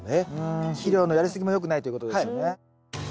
肥料のやりすぎも良くないということですよね。